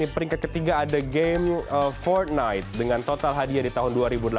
peringkat ketiga ada game for night dengan total hadiah di tahun dua ribu delapan belas